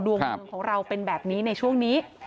ดวงเมืองของเราเป็นแบบนี้ในช่วงนี้